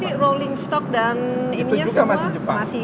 jadi rolling stock dan ininya semua masih jepang